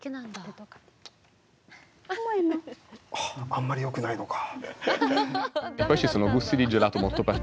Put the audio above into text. あんまりよくないのか。